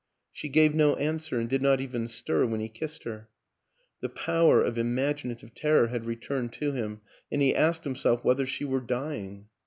She gave no answer, and did not even stir when he kissed her. The power of imaginative terror had returned to him, and he asked himself whether she were dying?